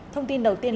thông tin đầu tiên